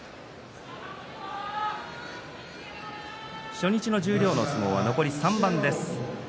初日の十両の相撲は残り３番です。